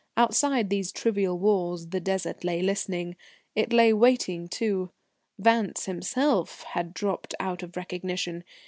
Outside these trivial walls the Desert lay listening. It lay waiting too. Vance himself had dropped out of recognition.